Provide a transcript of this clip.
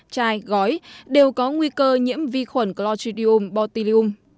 chai gói đều có nguy cơ nhiễm vi khuẩn clotidium botulium